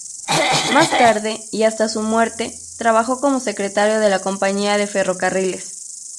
Más tarde, y hasta su muerte, trabajó como secretario de la Compañía de Ferrocarriles.